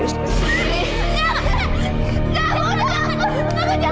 nggak bunuh aku